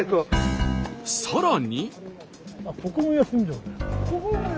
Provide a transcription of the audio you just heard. さらに。